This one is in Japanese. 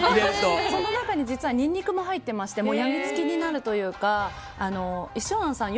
その中にニンニクも入っていまして病みつきになるというか一照庵さん